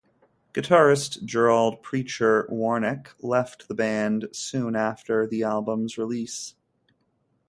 Guitarist Gerald "Preacher" Warnecke left the band soon after the albums release.